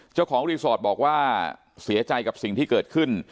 เจ้าของรีสอร์ทบอกว่าเสียใจกับสิ่งที่เกิดขึ้น